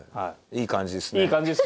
いい感じですね。